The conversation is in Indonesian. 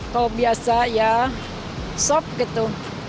kalau biasa ya sop gitu